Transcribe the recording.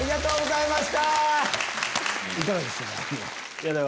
いかがでしたか？